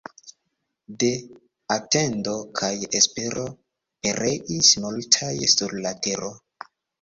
De atendo kaj espero pereis multaj sur la tero.